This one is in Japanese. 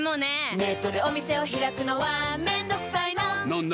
ネットでお店を開くのはめんどくさいの？